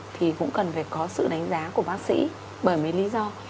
thì cũng cần phải có sự đánh giá của bác sĩ bởi mấy lý do